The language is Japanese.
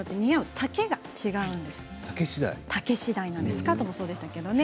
丈しだいなんですスカートもそうでしたけどね。